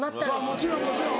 もちろんもちろん。